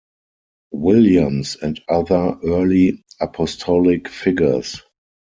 Williams and other early Apostolic figures.